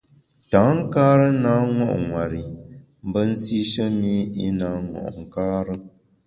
Tankare na ṅo’ nwer i mbe nsishe mi i na ṅo’ nkare.